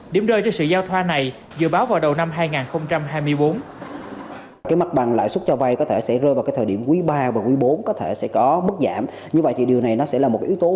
điểm rơi cho sự giao thoa này dự báo vào đầu năm hai nghìn hai mươi bốn